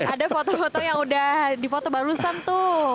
ada foto foto yang udah di foto barusan tuh